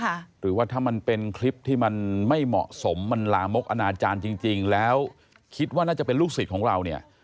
หรือว่าถ้ามันเป็นคลิปที่มันไม่เหมาะสมมันลามกอนาจารย์จริงจริงแล้วคิดว่าน่าจะเป็นลูกศิษย์ของเราเนี่ย